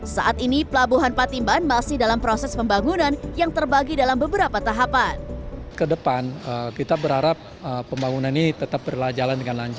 saat ini pelabuhan patimban masih dalam proses pembangunan yang terbagi dalam beberapa tahapan